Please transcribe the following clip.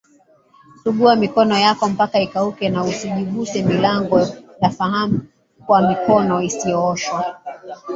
Sugua mikono yako mpaka ikauke na usijiguse milango ya faham kwa mikono isiyooshwa